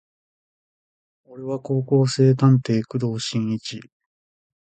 俺は高校生探偵工藤新一